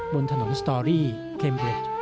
บนถนนสตอรี่เคมเร็ด